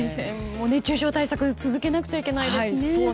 熱中症対策を続けないといけないですね。